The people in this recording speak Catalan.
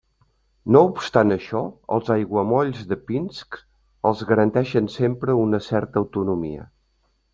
No obstant això, els Aiguamolls de Pinsk els garanteixen sempre una certa autonomia.